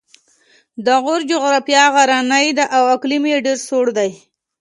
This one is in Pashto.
د غور جغرافیه غرنۍ ده او اقلیم یې ډېر سوړ دی